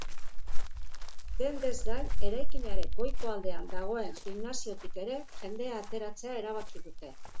Dendez gain, eraikinaren goiko aldean dagoen gimnasiotik ere jendea ateratzea erabaki dute.